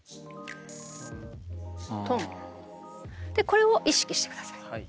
これを意識してください。